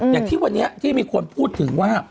อย่างที่วันนี้ที่มีคนพูดถึงว่า